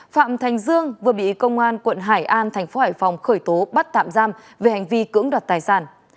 phạm thành dương vừa bị công an quận hải an thành phố hải phòng khởi tố bắt tạm giam về hành vi cưỡng đoạt tài sản